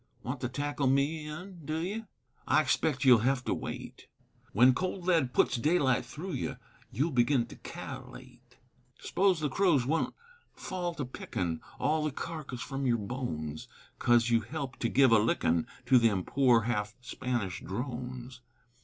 Want to tackle me in, du ye? I expect you'll hev to wait; Wen cold lead puts daylight thru ye You'll begin to kal'late; S'pose the crows wun't fall to pickin' All the carkiss from your bones, Coz you helped to give a lickin' To them poor half Spanish drones?